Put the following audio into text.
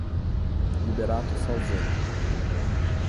Liberato Salzano